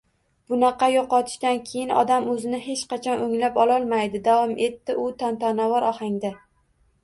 Bunaqa yoʻqotishdan keyin odam oʻzini hech qachon oʻnglab ololmaydi, – davom etdi u tantanavor ohangda.